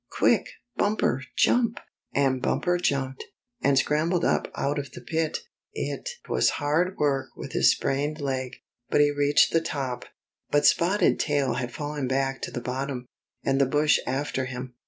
Quick, Bumper, jump!" And Bumper jumped, and scrambled up out of the pit. It was hard work with his sprained leg, but he reached the top. But Spotted Tail had fallen back to the bottom, and the bush after him.